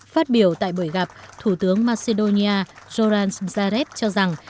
phát biểu tại buổi gặp thủ tướng macedonia joran zareb cho rằng